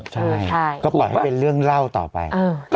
ใช่จะหล่นว่าก็บอกให้เป็นเรื่องเล่าต่อไป